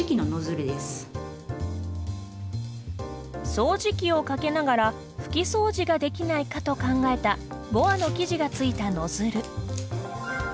「掃除機をかけながら拭き掃除ができないか」と考えたボアの生地がついたノズル。